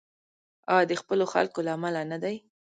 آیا د خپلو خلکو له امله نه دی؟